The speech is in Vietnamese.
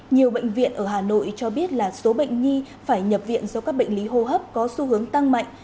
nhiều bệnh viện ở hà nội cho biết là số bệnh nhi